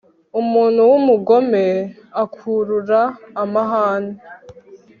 umuntu w'umugome akurura amahane